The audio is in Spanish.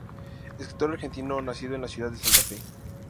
Escritor argentino nacido en la ciudad de Santa Fe.